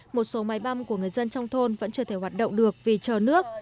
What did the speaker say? một số máy băm của người dân trong thôn vẫn chưa thể hoạt động được vì chờ nước